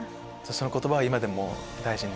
その言葉を今でも大事に？